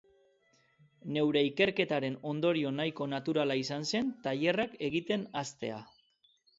Neure ikerketaren ondorio nahiko naturala izan zen tailerrak egiten hastea.